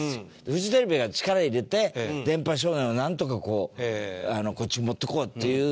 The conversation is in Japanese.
フジテレビが力入れて『電波少年』をなんとかこうこっちに持っていこうっていう。